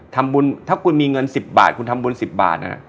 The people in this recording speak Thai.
ทำบุญถ้าคุณมีเงินสิบบาทคุณทำบุญสิบบาทน่ะ